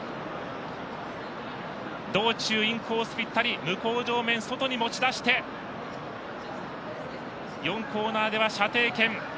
道中、インコースぴったり向正面、外に持ち出して４コーナーでは射程圏。